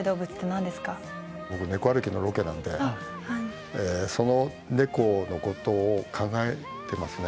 僕「ネコ歩き」のロケなんでそのネコのことを考えてますね。